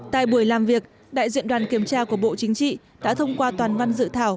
tại buổi làm việc đại diện đoàn kiểm tra của bộ chính trị đã thông qua toàn văn dự thảo